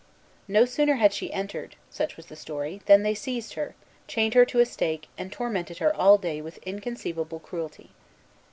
No sooner had she entered, such was the story, than they seized her, chained her to a stake, and tormented her all day with inconceivable cruelty.